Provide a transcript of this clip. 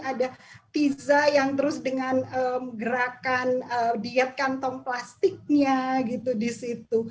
ada tiza yang terus dengan gerakan diet kantong plastiknya gitu di situ